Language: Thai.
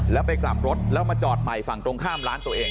แล้วไปกลับรถแล้วมาจอดใหม่ฝั่งตรงข้ามร้านตัวเอง